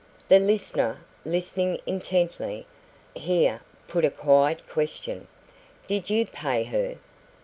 The listener, listening intently, here put a quiet question "Did you pay her?"